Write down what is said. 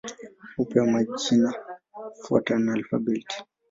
Hupewa majina kufuatana na alfabeti.